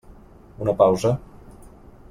Una pausa.